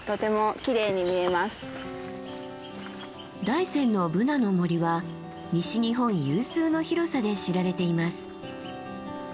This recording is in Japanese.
大山のブナの森は西日本有数の広さで知られています。